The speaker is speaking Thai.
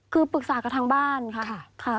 คือปรึกษากับทางบ้านค่ะ